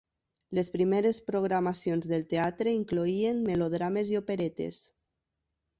Les primeres programacions del teatre incloïen melodrames i operetes.